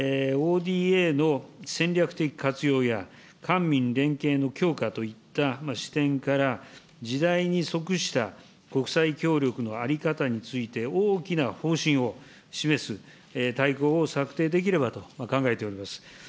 ＯＤＡの戦略的活用や、官民連携の強化といった視点から、時代に即した国際協力の在り方について大きな方針を示す大綱を策定できればと考えております。